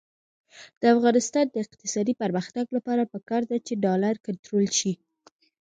د افغانستان د اقتصادي پرمختګ لپاره پکار ده چې ډالر کنټرول شي.